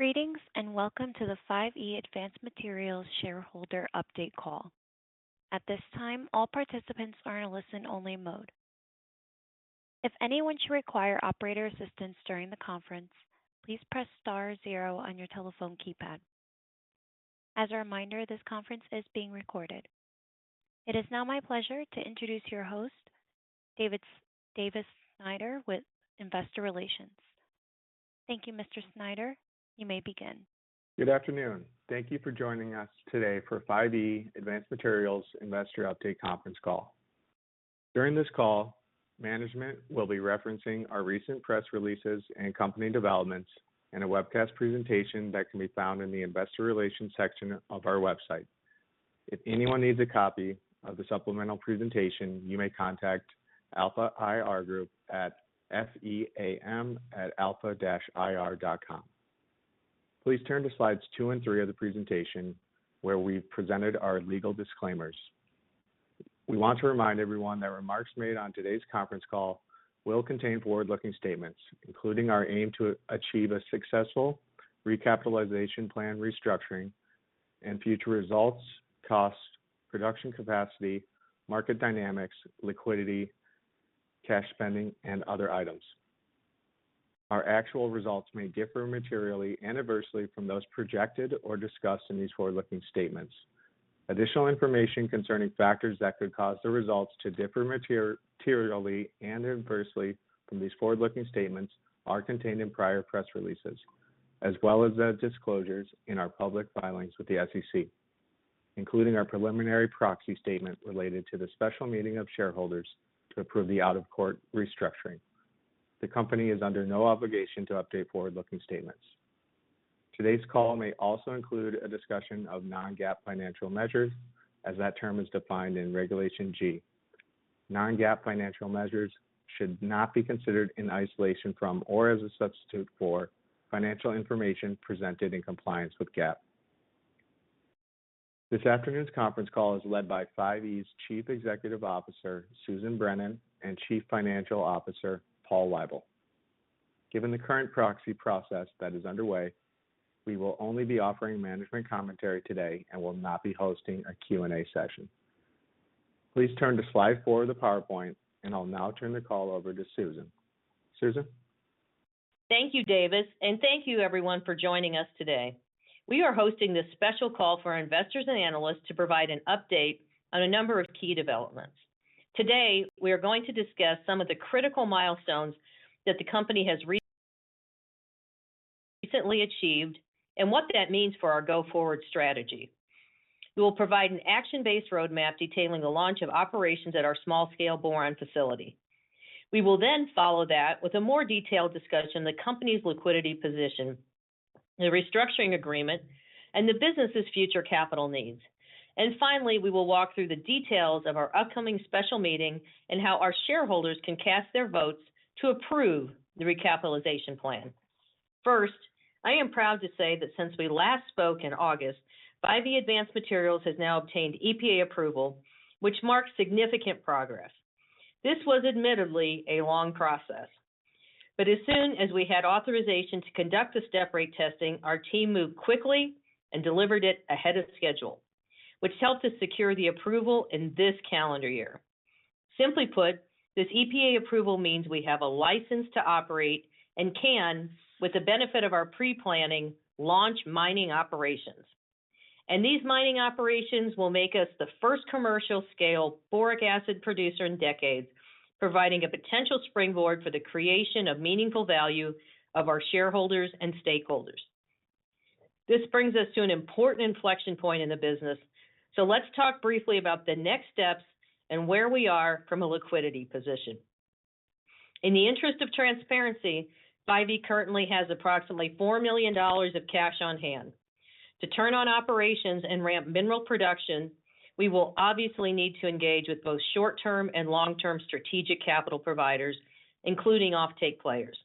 Greetings, and welcome to the 5E Advanced Materials Shareholder Update Call. At this time, all participants are in a listen-only mode. If anyone should require operator assistance during the conference, please press star zero on your telephone keypad. As a reminder, this conference is being recorded. It is now my pleasure to introduce your host, Davis Snyder, with Investor Relations. Thank you, Mr. Snyder. You may begin. Good afternoon. Thank you for joining us today for 5E Advanced Materials Investor Update Conference Call. During this call, management will be referencing our recent press releases and company developments, and a webcast presentation that can be found in the Investor Relations section of our website. If anyone needs a copy of the supplemental presentation, you may contact Alpha IR Group at feam@alpha-ir.com. Please turn to slides 2 and 3 of the presentation, where we've presented our legal disclaimers. We want to remind everyone that remarks made on today's conference call will contain forward-looking statements, including our aim to achieve a successful recapitalization plan restructuring and future results, costs, production capacity, market dynamics, liquidity, cash spending, and other items. Our actual results may differ materially and adversely from those projected or discussed in these forward-looking statements. Additional information concerning factors that could cause the results to differ materially and adversely from these forward-looking statements are contained in prior press releases, as well as the disclosures in our public filings with the SEC, including our Preliminary Proxy Statement related to the special meeting of shareholders to approve the out-of-court restructuring. The company is under no obligation to update forward-looking statements. Today's call may also include a discussion of non-GAAP financial measures, as that term is defined in Regulation G. Non-GAAP financial measures should not be considered in isolation from, or as a substitute for, financial information presented in compliance with GAAP. This afternoon's conference call is led by 5E's Chief Executive Officer, Susan Brennan, and Chief Financial Officer, Paul Weibel. Given the current proxy process that is underway, we will only be offering management commentary today and will not be hosting a Q&A session. Please turn to slide four of the PowerPoint, and I'll now turn the call over to Susan. Susan? Thank you, Davis, and thank you everyone for joining us today. We are hosting this special call for our investors and analysts to provide an update on a number of key developments. Today, we are going to discuss some of the critical milestones that the company has recently achieved and what that means for our go-forward strategy. We will provide an action-based roadmap detailing the launch of operations at our small-scale boron facility. We will then follow that with a more detailed discussion of the company's liquidity position, the restructuring agreement, and the business's future capital needs. And finally, we will walk through the details of our upcoming special meeting and how our shareholders can cast their votes to approve the recapitalization plan. First, I am proud to say that since we last spoke in August, 5E Advanced Materials has now obtained EPA approval, which marks significant progress. This was admittedly a long process, but as soon as we had authorization to conduct the step rate testing, our team moved quickly and delivered it ahead of schedule, which helped us secure the approval in this calendar year. Simply put, this EPA approval means we have a license to operate and can, with the benefit of our pre-planning, launch mining operations. These mining operations will make us the first commercial-scale boric acid producer in decades, providing a potential springboard for the creation of meaningful value of our shareholders and stakeholders. This brings us to an important inflection point in the business, so let's talk briefly about the next steps and where we are from a liquidity position. In the interest of transparency, 5E currently has approximately $4 million of cash on hand. To turn on operations and ramp mineral production, we will obviously need to engage with both short-term and long-term strategic capital providers, including offtake players.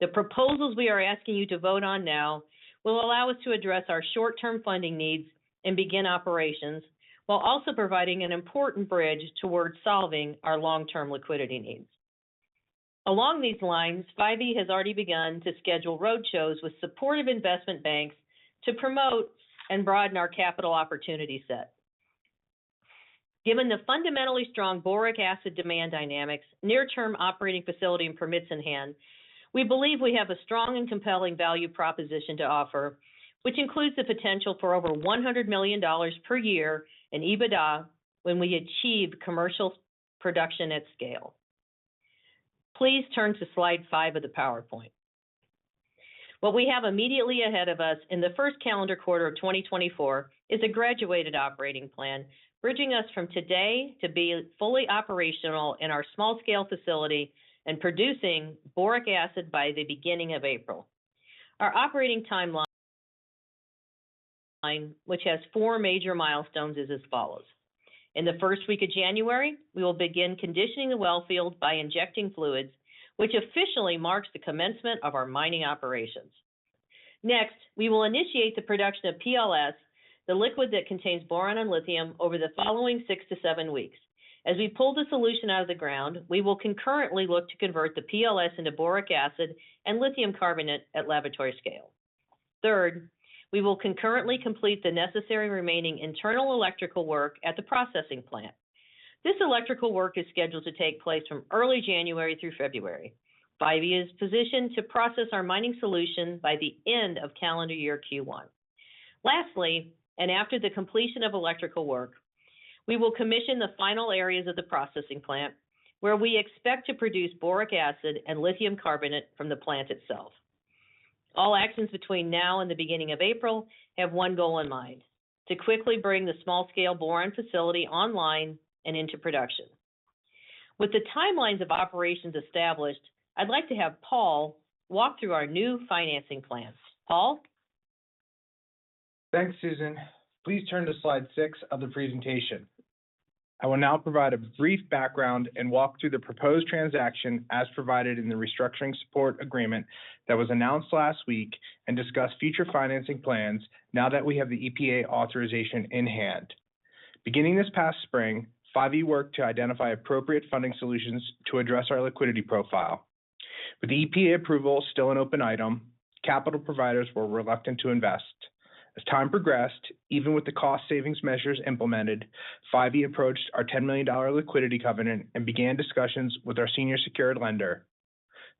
The proposals we are asking you to vote on now will allow us to address our short-term funding needs and begin operations, while also providing an important bridge towards solving our long-term liquidity needs. Along these lines, 5E has already begun to schedule roadshows with supportive investment banks to promote and broaden our capital opportunity set. Given the fundamentally strong boric acid demand dynamics, near-term operating facility and permits in hand, we believe we have a strong and compelling value proposition to offer, which includes the potential for over $100 million per year in EBITDA when we achieve commercial production at scale. Please turn to slide five of the PowerPoint. What we have immediately ahead of us in the first calendar quarter of 2024 is a graduated operating plan, bridging us from today to being fully operational in our small-scale facility and producing boric acid by the beginning of April. Our operating timeline, which has 4 major milestones, is as follows: In the first week of January, we will begin conditioning the well field by injecting fluids, which officially marks the commencement of our mining operations. Next, we will initiate the production of PLS, the liquid that contains boron and lithium, over the following 6-7 weeks. As we pull the solution out of the ground, we will concurrently look to convert the PLS into boric acid and lithium carbonate at laboratory scale. Third, we will concurrently complete the necessary remaining internal electrical work at the processing plant. This electrical work is scheduled to take place from early January through February. 5E is positioned to process our mining solution by the end of calendar year Q1. Lastly, and after the completion of electrical work, we will commission the final areas of the processing plant, where we expect to produce boric acid and lithium carbonate from the plant itself. All actions between now and the beginning of April have one goal in mind, to quickly bring the small scale boron facility online and into production. With the timelines of operations established, I'd like to have Paul walk through our new financing plans. Paul? Thanks, Susan. Please turn to slide 6 of the presentation. I will now provide a brief background and walk through the proposed transaction Restructuring Support Agreement that was announced last week, and discuss future financing plans now that we have the EPA authorization in hand. Beginning this past spring, 5E worked to identify appropriate funding solutions to address our liquidity profile. With the EPA approval still an open item, capital providers were reluctant to invest. As time progressed, even with the cost savings measures implemented, 5E approached our $10 million liquidity covenant and began discussions with our senior secured lender.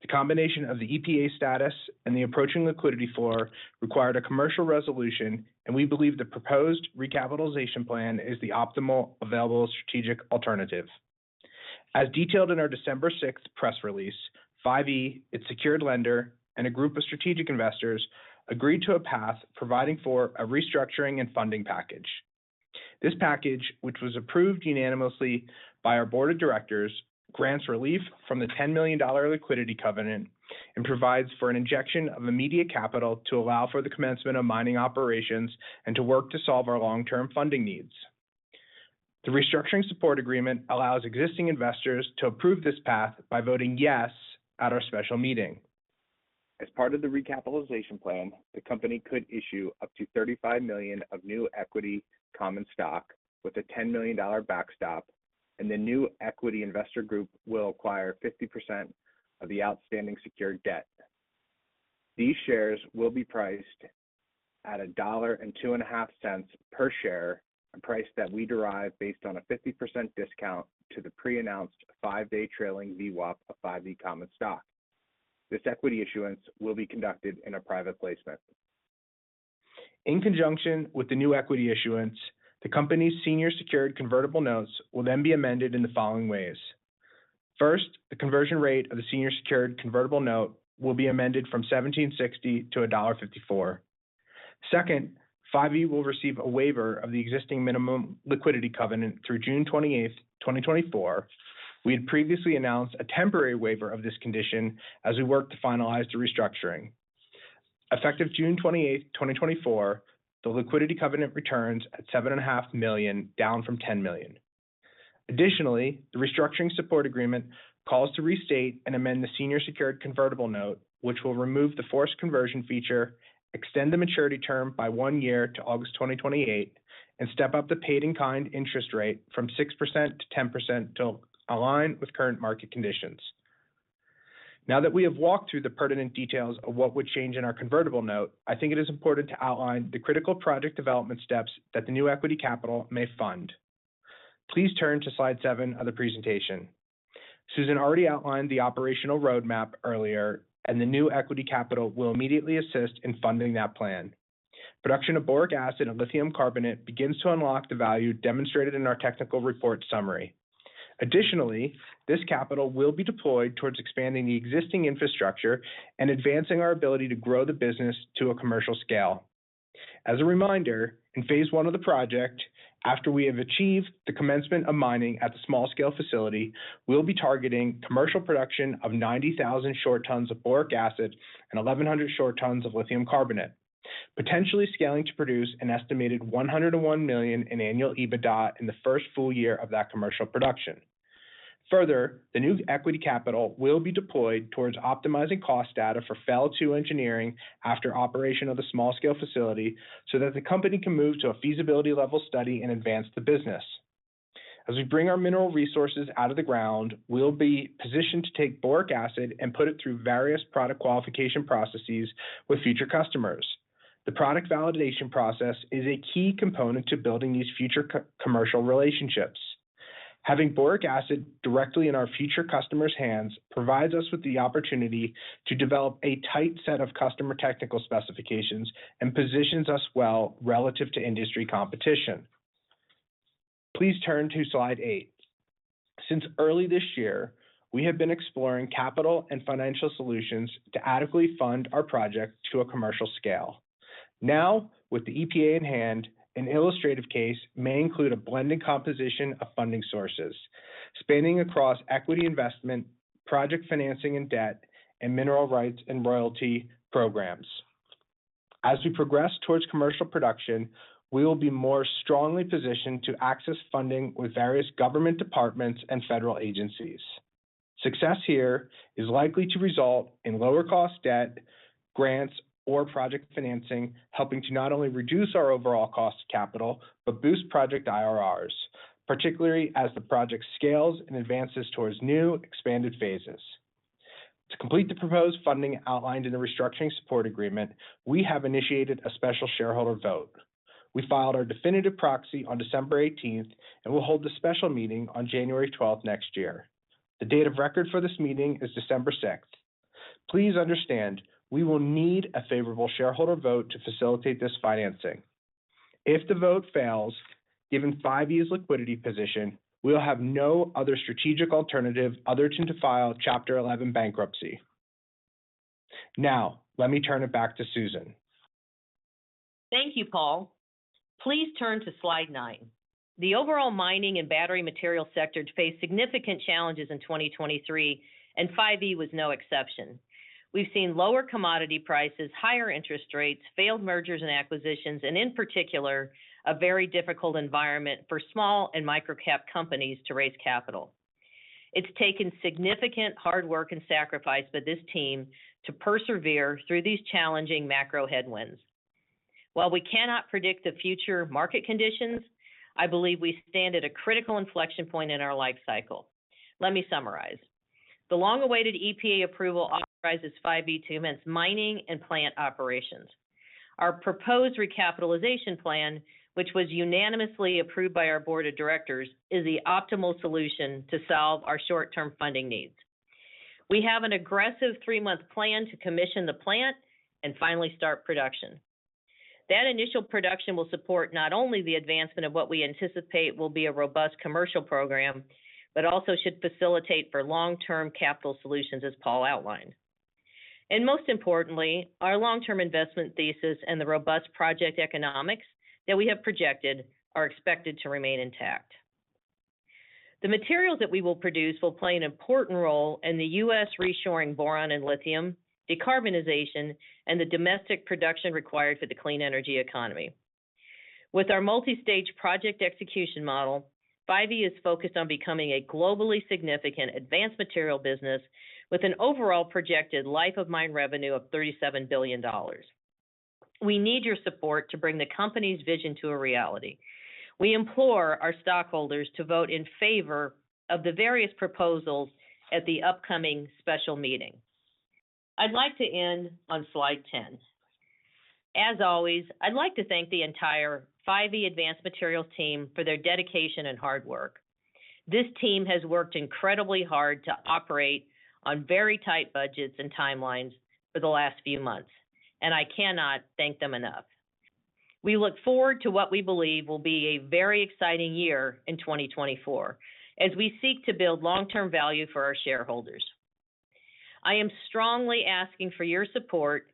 The combination of the EPA status and the approaching liquidity floor required a commercial resolution, and we believe the proposed recapitalization plan is the optimal available strategic alternative. As detailed in our December 6 press release, 5E, its secured lender, and a group of strategic investors, agreed to a path providing for a restructuring and funding package. This package, which was approved unanimously by our board of directors, grants relief from the $10 million liquidity covenant and provides for an injection of immediate capital to allow for the commencement of mining operations and to work to solve our Restructuring Support Agreement allows existing investors to approve this path by voting yes at our special meeting. As part of the recapitalization plan, the company could issue up to 35 million of new equity common stock with a $10 million backstop, and the new equity investor group will acquire 50% of the outstanding secured debt. These shares will be priced at $1.025 per share, a price that we derived based on a 50% discount to the pre-announced 5-day trailing VWAP of 5E common stock. This equity issuance will be conducted in a private placement. In conjunction with the new equity issuance, the company's senior secured convertible notes will then be amended in the following ways: First, the conversion rate of the senior secured convertible note will be amended from $17.60 to $1.54. Second, 5E will receive a waiver of the existing minimum liquidity covenant through June 28, 2024. We had previously announced a temporary waiver of this condition as we worked to finalize the restructuring. Effective June 28, 2024, the liquidity covenant returns at $7.5 million, down from $10 million. Restructuring Support Agreement calls to restate and amend the senior secured convertible note, which will remove the forced conversion feature, extend the maturity term by one year to August 2028, and step up the paid-in-kind interest rate from 6% to 10% to align with current market conditions. Now that we have walked through the pertinent details of what would change in our convertible note, I think it is important to outline the critical project development steps that the new equity capital may fund. Please turn to slide 7 of the presentation. Susan already outlined the operational roadmap earlier, and the new equity capital will immediately assist in funding that plan. Production of boric acid and lithium carbonate begins to unlock the value demonstrated in our Technical Report Summary. Additionally, this capital will be deployed towards expanding the existing infrastructure and advancing our ability to grow the business to a commercial scale. As a reminder, in phase one of the project, after we have achieved the commencement of mining at the small scale facility, we'll be targeting commercial production of 90,000 short tons of boric acid and 1,100 short tons of lithium carbonate, potentially scaling to produce an estimated $101 million in annual EBITDA in the first full year of that commercial production. Further, the new equity capital will be deployed towards optimizing cost data for FEL-2 engineering after operation of the small scale facility, so that the company can move to a feasibility level study and advance the business. As we bring our mineral resources out of the ground, we'll be positioned to take boric acid and put it through various product qualification processes with future customers. The product validation process is a key component to building these future co-commercial relationships. Having boric acid directly in our future customers' hands provides us with the opportunity to develop a tight set of customer technical specifications and positions us well relative to industry competition. Please turn to slide 8. Since early this year, we have been exploring capital and financial solutions to adequately fund our project to a commercial scale. Now, with the EPA in hand, an illustrative case may include a blended composition of funding sources, spanning across equity investment, project financing and debt, and mineral rights and royalty programs. As we progress towards commercial production, we will be more strongly positioned to access funding with various government departments and federal agencies. Success here is likely to result in lower cost debt, grants, or project financing, helping to not only reduce our overall cost of capital, but boost project IRRs, particularly as the project scales and advances towards new expanded phases. To complete the proposed Restructuring Support Agreement, we have initiated a special shareholder vote. We filed our definitive proxy on December 18, and we'll hold the special meeting on January 12 next year. The date of record for this meeting is December 6. Please understand, we will need a favorable shareholder vote to facilitate this financing. If the vote fails, given 5E's liquidity position, we will have no other strategic alternative other than to file Chapter 11 bankruptcy. Now, let me turn it back to Susan. Thank you, Paul. Please turn to slide 9. The overall mining and battery material sector faced significant challenges in 2023, and 5E was no exception. We've seen lower commodity prices, higher interest rates, failed mergers and acquisitions, and in particular, a very difficult environment for small and micro-cap companies to raise capital. It's taken significant hard work and sacrifice by this team to persevere through these challenging macro headwinds. While we cannot predict the future market conditions, I believe we stand at a critical inflection point in our life cycle. Let me summarize. The long-awaited EPA approval authorizes 5E to commence mining and plant operations. Our proposed recapitalization plan, which was unanimously approved by our board of directors, is the optimal solution to solve our short-term funding needs. We have an aggressive 3-month plan to commission the plant and finally start production. That initial production will support not only the advancement of what we anticipate will be a robust commercial program, but also should facilitate for long-term capital solutions, as Paul outlined. Most importantly, our long-term investment thesis and the robust project economics that we have projected are expected to remain intact. The materials that we will produce will play an important role in the U.S. reshoring boron and lithium, decarbonization, and the domestic production required for the clean energy economy. With our multi-stage project execution model, 5E is focused on becoming a globally significant advanced material business with an overall projected life of mine revenue of $37 billion. We need your support to bring the company's vision to a reality. We implore our stockholders to vote in favor of the various proposals at the upcoming special meeting. I'd like to end on slide 10. As always, I'd like to thank the entire 5E Advanced Materials team for their dedication and hard work. This team has worked incredibly hard to operate on very tight budgets and timelines for the last few months, and I cannot thank them enough. We look forward to what we believe will be a very exciting year in 2024, as we seek to build long-term value for our shareholders. I am strongly asking for your support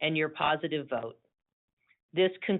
and your positive vote. This could-